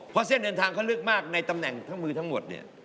เพราะเส้นเดินทางเขาลึกมากในตำแหน่งทั้งมือทั้งหมดเนี่ย